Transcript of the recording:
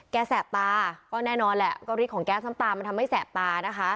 แสบตาก็แน่นอนแหละก็ฤทธิของแก๊สน้ำตามันทำให้แสบตานะคะ